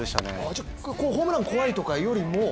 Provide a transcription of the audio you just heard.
じゃあ、ホームラン怖いとかいうよりも？